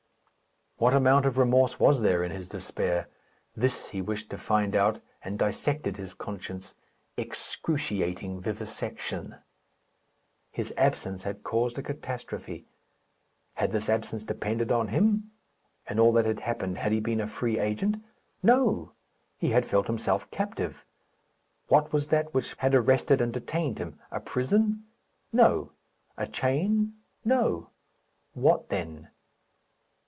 What amount of remorse was there in his despair? This he wished to find out, and dissected his conscience. Excruciating vivisection! His absence had caused a catastrophe. Had this absence depended on him? In all that had happened, had he been a free agent? No! He had felt himself captive. What was that which had arrested and detained him a prison? No. A chain? No. What then?